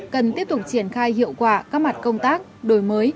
cần tiếp tục triển khai hiệu quả các mặt công tác đổi mới